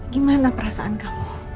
gimana perasaan kamu